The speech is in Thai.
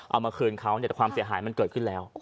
เอามาคืนเขาเนี่ยแต่ความเสียหายมันเกิดขึ้นแล้ว